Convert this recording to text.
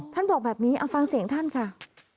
บอกแบบนี้เอาฟังเสียงท่านค่ะ